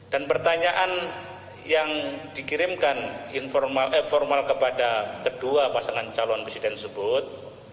dan pertanyaan yang dikirimkan informal kepada kedua pasangan calon presiden sebut